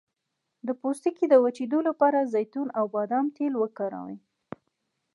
د پوستکي د وچیدو لپاره د زیتون او بادام تېل وکاروئ